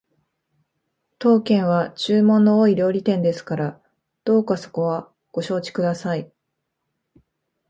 当軒は注文の多い料理店ですからどうかそこはご承知ください